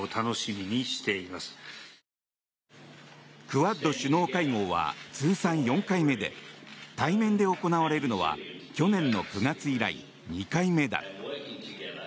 クアッド首脳会合は通算４回目で対面で行われるのは去年の９月以来２回目だ。